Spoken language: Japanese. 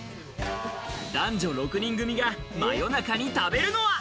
男女６人組が真夜中に食べるのは？